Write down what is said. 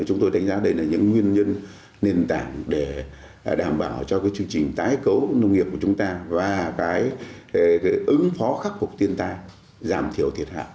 chúng tôi đánh giá đây là những nguyên nhân nền tảng để đảm bảo cho chương trình tái cấu nông nghiệp của chúng ta và ứng phó khắc phục tiên tai giảm thiểu thiệt hại